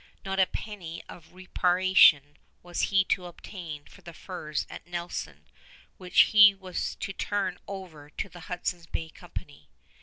Not a penny of reparation was he to obtain for the furs at Nelson, which he was to turn over to the Hudson's Bay Company.